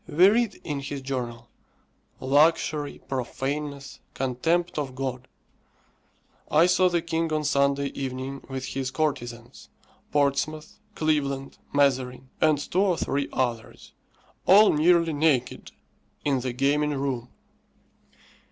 We read in his journal, "Luxury, profaneness, contempt of God. I saw the king on Sunday evening with his courtesans, Portsmouth, Cleveland, Mazarin, and two or three others, all nearly naked, in the gaming room."